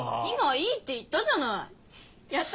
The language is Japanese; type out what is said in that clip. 今いいって言ったじゃない。